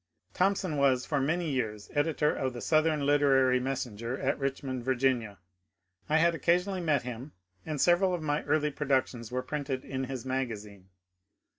Thompson was for many years editor of the ^' Southern Literary Mes senger '' at Richmond, Va. I had occasionally met him, and several of my early productions were printed in his magazine.